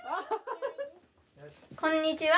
こんにちは。